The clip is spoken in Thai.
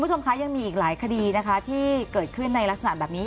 แล้วก็มีอีกหลายคดีนะคะที่เกิดขึ้นในลักษณะแบบนี้